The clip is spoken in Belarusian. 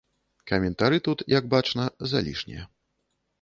Каментары тут, як бачна, залішнія.